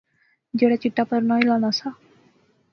جیہڑا چٹا پرنا ہلانا سا